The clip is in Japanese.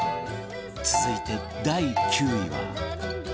続いて第９位は